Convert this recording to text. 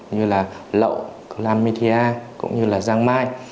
như là lậu chlamydia cũng như là giang mai